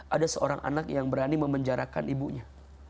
ada seorang anak yang berani memenjarakan ibunya